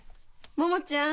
桃ちゃん。